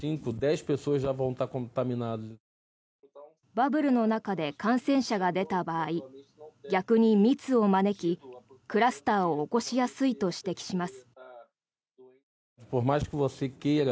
バブルの中で感染者が出た場合逆に密を招き、クラスターを起こしやすいと指摘します。